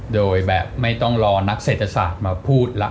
โดยแบบไม่ต้องรอนักเศรษฐศาสตร์มาพูดแล้ว